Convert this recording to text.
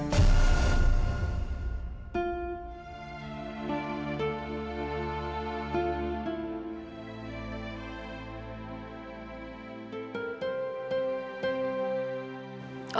jadi saya merasa berhutang budi sama dia